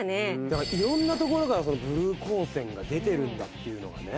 だから色んなところからブルー光線が出てるんだっていうのがね。